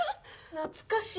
懐かしい。